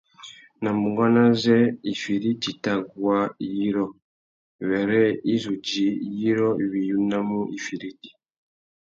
Nà bunganô azê « ifiriti i tà guá yirô » wêrê i zu djï yirô wí unamú ifiriti.